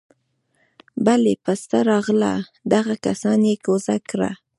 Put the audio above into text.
بله پسته راغله دغه کسان يې کوز کړه.